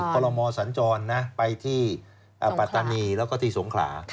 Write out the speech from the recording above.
กรมอสัญจรนะไปที่ปัตตานีแล้วก็ที่สงขลา